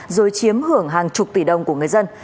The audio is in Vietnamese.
rồi chiếm hưởng hàng chục tỷ đồng của người dân